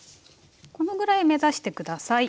このぐらい目指して下さい。